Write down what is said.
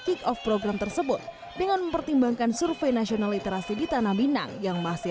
kick off program tersebut dengan mempertimbangkan survei nasional literasi di tanah minang yang masih